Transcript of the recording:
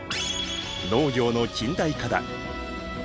農業の近代化だ。